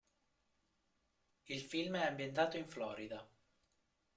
Il film è ambientato in Florida.